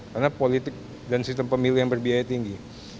karena politik dan sistem pemilu yang berbiaya tinggi